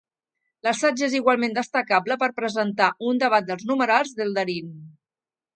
L'assaig és igualment destacable per presentar un debat dels numerals d'Eldarin.